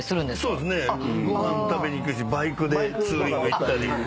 そうですねご飯食べに行くしバイクでツーリング行ったり。